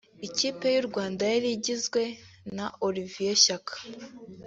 Ikipe y’u Rwanda yari igizwe na Olivier Shyaka (Espoir)